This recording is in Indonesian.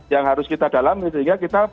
yang harus kita dalami sehingga kita